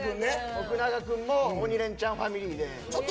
徳永君も「鬼レンチャン」ファミリーで。